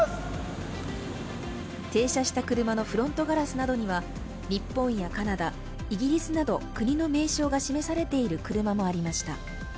停車した車のフロントガラスなどには日本やカナダ、イギリスなど国の名称が示されている車もありました。